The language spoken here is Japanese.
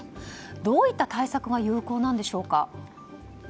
どういった対策が有効なんでしょうか。